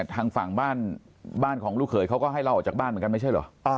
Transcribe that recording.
ทางฝั่งบ้านของลูกเขยเขาก็ให้เราออกจากบ้านเหมือนกันไม่ใช่เหรอ